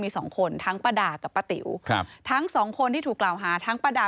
มีสองคนทั้งป้าดากับป้าติ๋วครับทั้งสองคนที่ถูกกล่าวหาทั้งป้าดา